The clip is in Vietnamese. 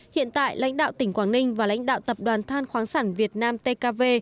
hiện tại lãnh đạo tỉnh quảng ninh và lãnh đạo tập đoàn than khoáng sản việt nam tkv